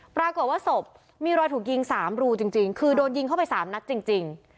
ปรากฏว่าศพมีรอยถูกยิง๓รูจริงคือโดนยิงเข้าไป๓นัดจริง